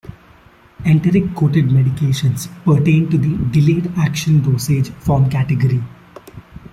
Enteric coated medications pertain to the "delayed action" dosage form category.